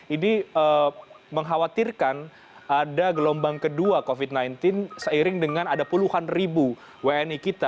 ini mengkhawatirkan ada gelombang kedua covid sembilan belas seiring dengan ada puluhan ribu wni kita